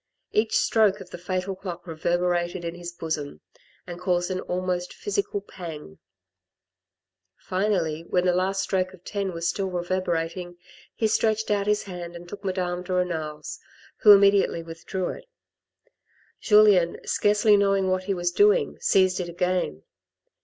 Each stroke of the fatal clock reverberated in his bosom, and caused an almost physical pang. Finally, when the last stroke of ten was still reverberating, he stretched out his hand and took Madame de Renal's, who immediately withdrew it. Julien, scarcely knowing what he was doing, seized it again.